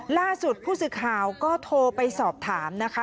ล่าสุดผู้สื่อข่าวก็โทรไปสอบถามนะคะ